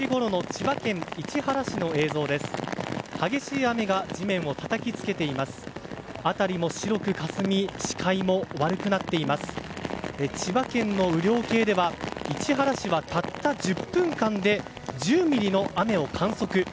千葉県の雨量計では市原市はたった１０分間で１０ミリの雨を観測。